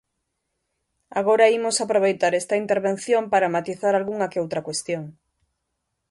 Agora imos aproveitar esta intervención para matizar algunha que outra cuestión.